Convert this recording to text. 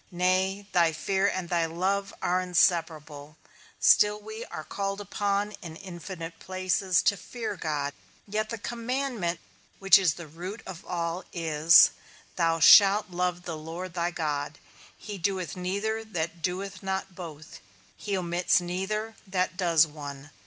Nay, thy fear, and thy love are inseparable; still we are called upon, in infinite places, to fear God, yet the commandment, which is the root of all is, Thou shalt love the Lord thy God; he doeth neither that doeth not both; he omits neither, that does one.